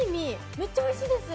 めっちゃおいしいです。